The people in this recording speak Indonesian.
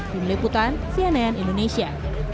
pemlebutan cnn indonesia